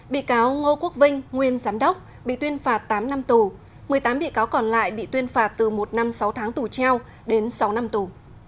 bị cáo ngô quốc vinh nguyên giám đốc bị tuyên phạt tám năm tù một mươi tám bị cáo còn lại bị tuyên phạt từ một năm sáu tháng tù treo đến sáu năm tù